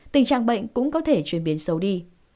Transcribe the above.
tình trạng bệnh cũng có thể chuyển biến xấu đi